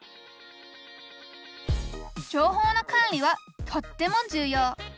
情報の管理はとっても重要。